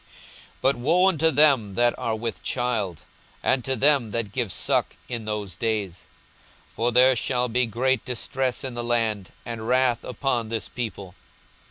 42:021:023 But woe unto them that are with child, and to them that give suck, in those days! for there shall be great distress in the land, and wrath upon this people.